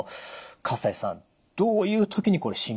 西さんどういう時にこれ心配なんですか？